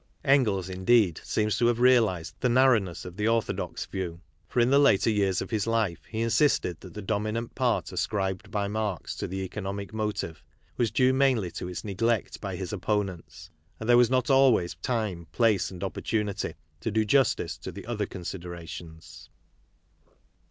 Engels, indeed, seems to have realized the narrowness of the orthodox view, for in the later years of his life he insisted that the dominant part ascribed by Marx to the economic motive was due mainly to its neglect by his opponents, " and there was not always time, place and opportunity to do justice to the other considera tions."